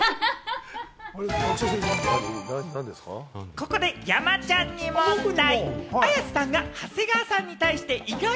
ここで山ちゃんに問題。